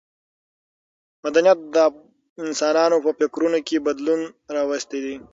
مدنیت د انسانانو په فکرونو کې بدلون راوستی دی.